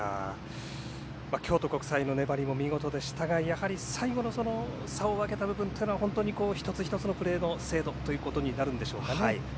京都国際の粘りも見事でしたがやはり、最後の差を分けた部分というのは本当に一つ一つのプレーの精度になるんでしょうかね。